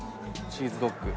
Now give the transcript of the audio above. チーズドッグ。